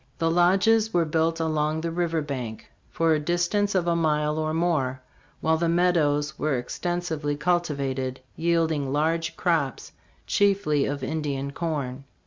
The lodges were built along the river bank for a distance STARVED ROCK : A HISTORICAL SKETCH. of a mile or more, while the meadows were extensively cultivated, yielding large crops, chiefly of Indian corn.